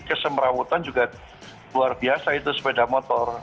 kesemrawutan juga luar biasa itu sepeda motor